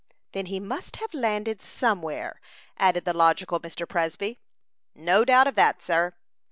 "Then he must have landed somewhere," added the logical Mr. Presby. "No doubt of that, sir."